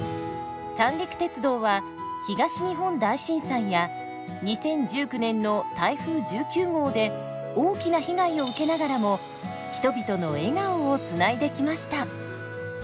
三陸鉄道は東日本大震災や２０１９年の台風１９号で大きな被害を受けながらも人々の笑顔をつないできました。